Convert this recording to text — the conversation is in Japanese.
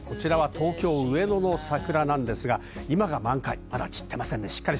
東京・上野の桜なんですが、今が満開、まだ散っていません。